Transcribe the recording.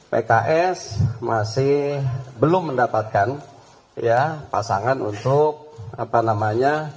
pks masih belum mendapatkan pasangan untuk apa namanya